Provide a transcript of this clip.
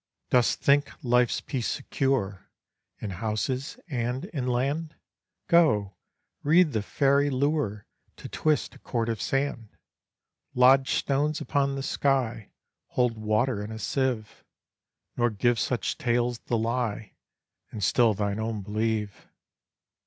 Dost think life's peace secure In houses and in land? Go, read the fairy lure To twist a cord of sand; Lodge stones upon the sky, Hold water in a sieve, Nor give such tales the lie, And still thine own believe.